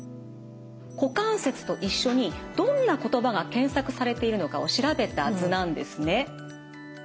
「股関節」と一緒にどんな言葉が検索されているのかを調べた図なんですね。